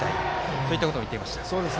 そういったことを言っていました。